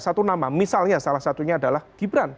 satu nama misalnya salah satunya adalah gibran